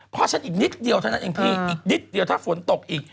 เพราะฉันอีกนิดเดียวเท่านั้นเองพี่อีกนิดเดียวถ้าฝนตกอีก